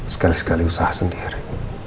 sekali sekali usaha sendiri